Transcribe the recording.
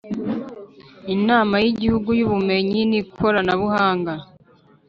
Inama y’ Igihugu y’ Ubumenyi n Ikoranabuhanga